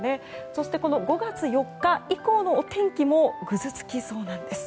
そして、５月４日以降のお天気もぐずつきそうなんです。